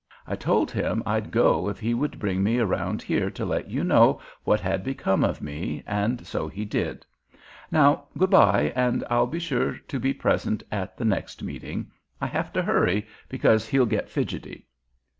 I told him I'd go if he would bring me around here to let you know what had become of me, and so he did. Now, good by, and I'll be sure to be present at the next meeting. I have to hurry because he'll get fidgety."